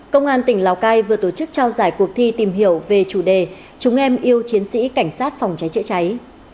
công an tỉnh lào cai vừa tổ chức trao giải cuộc thi tìm hiểu về chủ đề chúng em yêu chiến sĩ cảnh sát phòng cháy chữa cháy